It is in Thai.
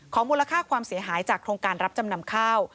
มูลค่าความเสียหายจากโครงการรับจำนำข้าว